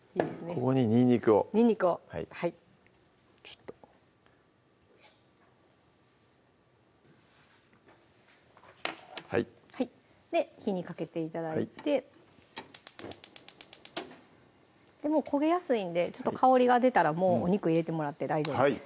ここににんにくをにんにくをはいで火にかけて頂いて焦げやすいんで香りが出たらもうお肉入れてもらって大丈夫です